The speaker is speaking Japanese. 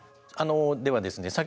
ではですね